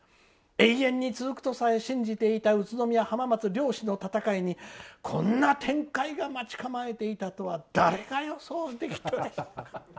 永遠に続くとさえ信じていた宇都宮、浜松両市の展開にこんな展開が待ち構えていたとは誰が予想できたでしょう。